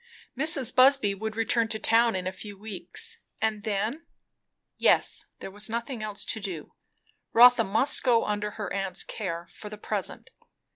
Mrs. Busby would return to town in a few weeks, and then Yes, there was nothing else to do. Rotha must go under her aunt's care, for the present.